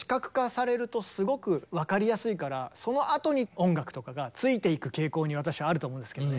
やっぱりそのあとに音楽とかがついていく傾向に私はあると思うんですけどね。